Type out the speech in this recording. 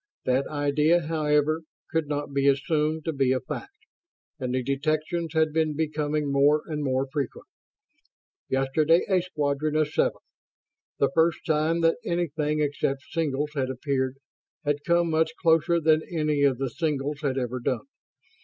That idea, however, could not be assumed to be a fact, and the detections had been becoming more and more frequent. Yesterday a squadron of seven the first time that anything except singles had appeared had come much closer than any of the singles had ever done.